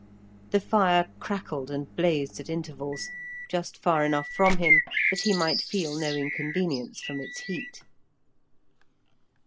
The fire crackled and blazed at intervals, just far enough from him that he might feel no inconvenience from its heat.